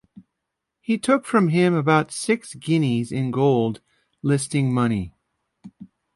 He took from him about six guineas in gold, listing-money.